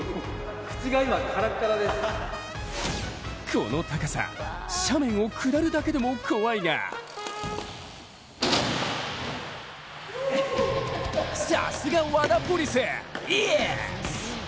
この高さ、斜面を下るだけでも怖いがさすがワダポリス、イエス！